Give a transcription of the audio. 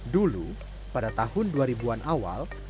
dulu pada tahun dua ribu an awal